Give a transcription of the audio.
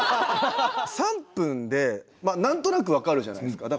３分でまあ何となく分かるじゃないですか。